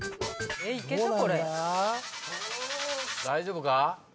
大丈夫か？